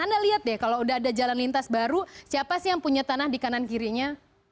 anda lihat deh kalau udah ada jalan lintas baru siapa sih yang punya tanah di kanan kirinya